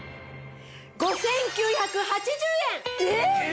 ５９８０円！えっ！？